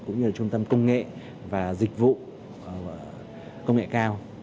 cũng như trung tâm công nghệ và dịch vụ công nghệ cao